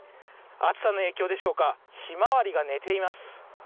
暑さの影響でしょうか、ひまわりが寝ています。